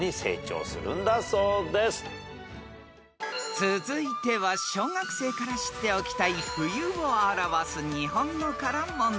［続いては小学生から知っておきたい冬を表す日本語から問題］